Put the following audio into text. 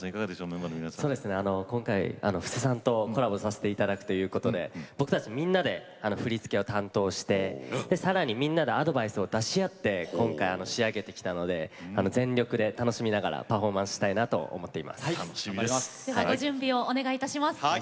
今回、布施さんとコラボさせていただくということで僕たちみんなで振り付けを担当してさらに、みんなでアドバイスを出し合って仕上げてきたので全力で楽しみながらパフォーマンスをしたいと思っています。